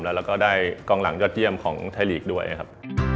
แล้วก็ได้กองหลังยอดเยี่ยมของไทยลีกด้วยครับ